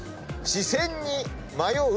「視線に迷う。